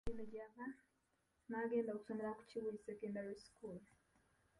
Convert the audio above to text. Eno gye yava n'agenda okusomera ku Kibuli Secondary School.